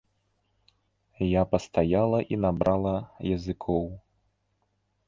Я пастаяла і набрала языкоў.